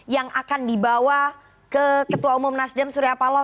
yang akan dibawa ke ketua umum nasdem surya paloh